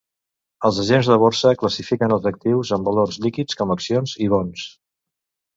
Els agents de borsa classifiquen els actius en valors líquids com accions i bons.